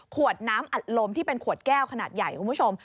ขวดน้ำอัดลมที่เป็นขวดแก้วขนาดใหญ่คุณผู้ชม